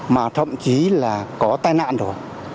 mà thậm chí là có tai nạn rồi